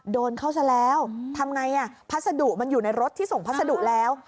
โดนเข้าซะแล้วทำไงอ่ะพัสดุมันอยู่ในรถที่ส่งพัสดุแล้ว